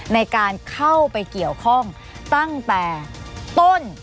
ในการเข้าไปเกี่ยวข้องตั้งแต่ต้น